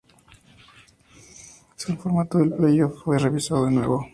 El formato del playoffs fue revisado de nuevo.